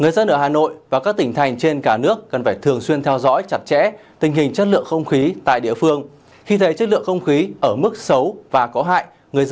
xin chào và hẹn gặp lại